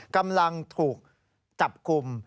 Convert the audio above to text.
กำลังถูกจับกลุ่ม